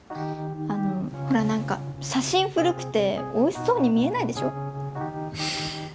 あのほら何か写真古くておいしそうに見えないでしょ？